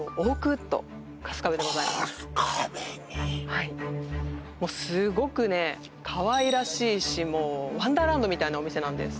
はいもうすごくねかわいらしいしもうワンダーランドみたいなお店なんです